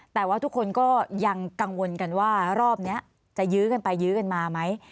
แต่ว่าทุกคนก็ยังกังวลกันว่ารอบนี้จะยื้อกันไปยื้อกันมาไหม